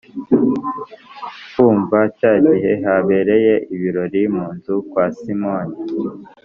kuva cya gihe habereye ibirori mu nzu kwa simoni